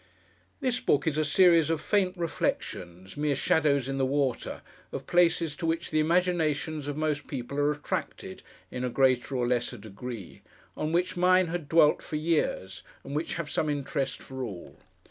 This Book is a series of faint reflections—mere shadows in the water—of places to which the imaginations of most people are attracted in a greater or less degree, on which mine had dwelt for years, and which have some interest for all.